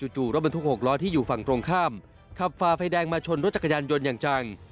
จู่รถบรรทุก๖ล้อที่อยู่ฝั่งตรงข้ามขับฝ่าไฟแดงมาชนรถจักรยานยนต์อย่างจัง